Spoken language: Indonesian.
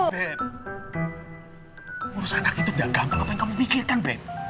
beb urus anak itu tidak gampang apa yang kamu pikirkan beb